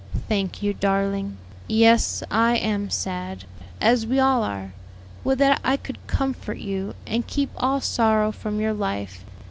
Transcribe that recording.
"Thank you, darling. Yes, I am sad, as we all are. Would that I could comfort you, and keep all sorrow from your life.